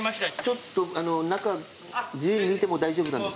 ちょっと中自由に見ても大丈夫なんですか？